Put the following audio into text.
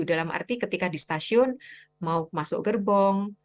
dalam arti ketika di stasiun mau masuk gerbong